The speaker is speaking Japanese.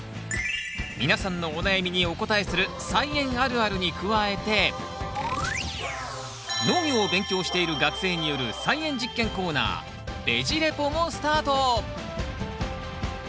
皆さんのお悩みにお答えする「菜園あるある」に加えて農業を勉強している学生による菜園実験コーナー「ベジ・レポ」もスタート！